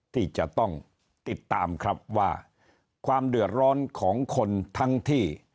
ที่จะต้องติดตามครับว่าความเดือดร้อนของคนทั้งที่